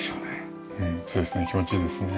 そうですね気持ちいいですね。